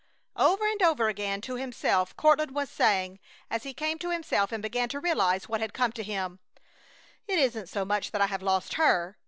Over and over again to himself Courtland was saying, as he came to himself and began to realize what had come to him: "It isn't so much that I have lost her.